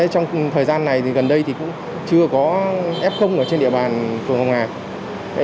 trong thời gian này thì gần đây thì cũng chưa có f ở trên địa bàn phường hồng ngạc